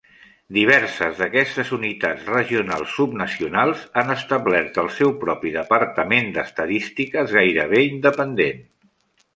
Diverses d'aquestes unitats regionals subnacionals han establert el seu propi departament d'estadístiques gairebé independent.